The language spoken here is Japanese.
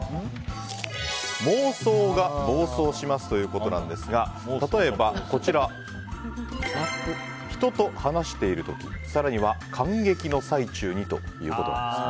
妄想が暴走します！ということですが例えばこちら人と話している時更には観劇の最中にということです。